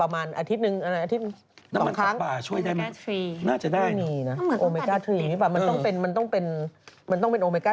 มันต้องเป็นโอเมก้า๙